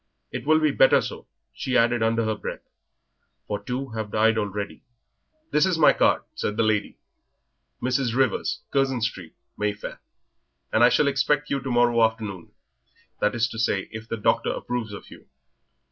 It will be better so," she added under her breath, "for two have died already." "This is my card," said the lady "Mrs. Rivers, Curzon Street, Mayfair and I shall expect you to morrow afternoon that is to say, if the doctor approves of you.